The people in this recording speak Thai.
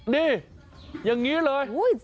นี่อย่างนี้เลย